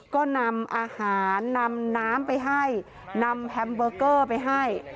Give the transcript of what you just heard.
ก็นำอาหารนำน้ำไปให้น้ำไปให้